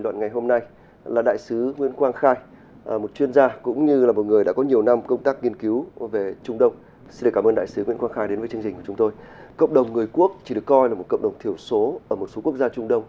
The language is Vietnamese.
nhiều người quốc tự do